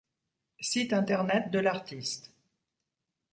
Site internet de l'artiste.